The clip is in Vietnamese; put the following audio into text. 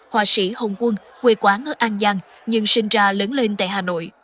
họa sĩ hồng quân quê quán ở an giang nhưng sinh ra lớn lên tại hà nội